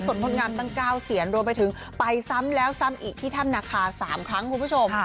งดงามตั้ง๙เสียนรวมไปถึงไปซ้ำแล้วซ้ำอีกที่ถ้ำนาคา๓ครั้งคุณผู้ชม